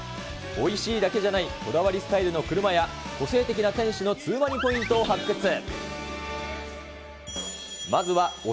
おいしいだけじゃない、こだわりスタイルの車や、個性的な店主のツウマニポイントを発掘。